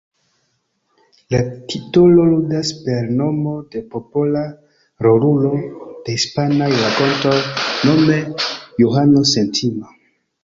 La titolo ludas per nomo de popola rolulo de hispanaj rakontoj, nome Johano Sentima.